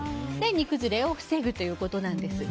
煮崩れを防ぐということなんです。